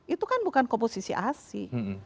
itu kan bukan komposisi asi